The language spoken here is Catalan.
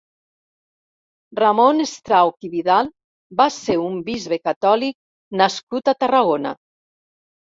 Ramon Strauch i Vidal va ser un bisbe catòlic nascut a Tarragona.